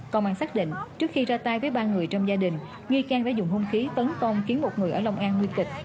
công an xác định trước khi ra tay với ba người trong gia đình nghi can đã dùng hung khí tấn công khiến một người ở long an nguy kịch